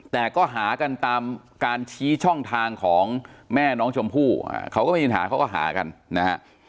แต่ก็หากันตามการชี้ช่องทางของแม่น้องชมพู่เขาก็ไม่มีปัญหาเขาก็หากันนะฮะ